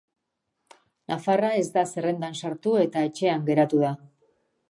Nafarra ez da zerrendan sartu eta etxean geratu da.